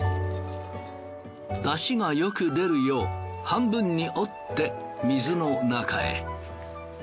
出汁がよく出るよう半分に折って水の中へ。